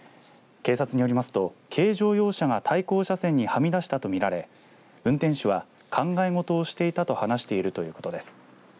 警察によりますと軽乗用車が対向車線にはみ出したと見られ運転手は、考え事をしていたと話しているということです。